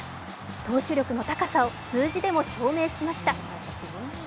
投手力の高さを数字でも証明しました。